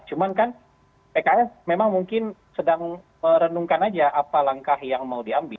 cuman kan pks memang mungkin sedang merenungkan aja apa langkah yang mau diambil